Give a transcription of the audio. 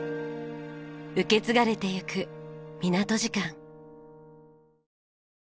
受け継がれてゆく港時間。